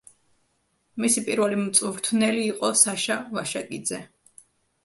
მისი პირველი მწვრთნელი იყო საშა ვაშაკიძე.